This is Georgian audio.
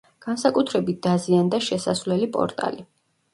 განსაკუთრებით დაზიანდა შესასვლელი პორტალი.